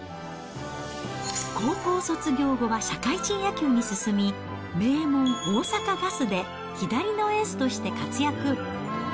高校卒業後は社会人野球に進み、名門、大阪ガスで左のエースとして活躍。